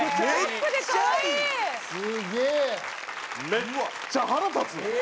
めっちゃ腹立つな。